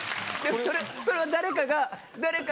それを誰かが。